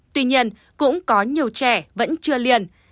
tuy nhiên cũng có nhiều trẻ vẫn chưa liền